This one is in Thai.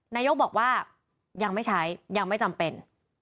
นายกบอกว่ายังไม่ใช้ยังไม่จำเป็น